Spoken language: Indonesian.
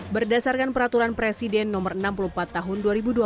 berdasarkan peraturan presiden no enam puluh empat tahun dua ribu dua puluh